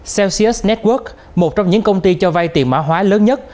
cels network một trong những công ty cho vay tiền mã hóa lớn nhất